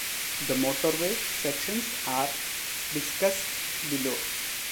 The motorway sections are discussed below.